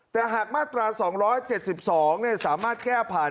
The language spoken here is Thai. แต่หากมาตรา๒๗๒สามารถแก้ผ่าน